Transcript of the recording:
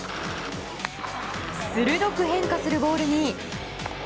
鋭く変化するボールに。